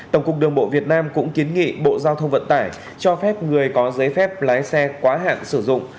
tổng cục đường bộ việt nam cũng kiến nghị bộ giao thông vận tải cho phép người có giấy phép lái xe quá hạn sử dụng